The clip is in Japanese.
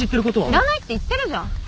知らないって言ってるじゃん。